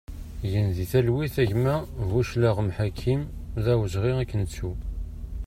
Gen di talwit a gma Buclaɣem Ḥakim, d awezɣi ad k-nettu!